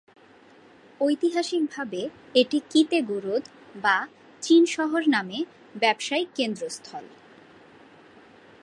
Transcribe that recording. ঐতিহাসিকভাবে এটি "কিতে-গোরোদ" বা "চীন শহর" নামে ব্যবসায়িক কেন্দ্রস্থল।